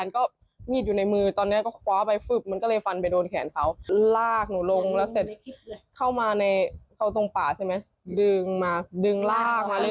เข้ามาเขาตรงป่าใช่ไหมดึงมาดึงลากมาเลย